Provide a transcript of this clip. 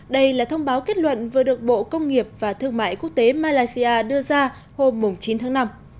đây là thông báo kết luận vừa được bộ công nghiệp và thương mại quốc tế malaysia đưa ra hôm chín tháng năm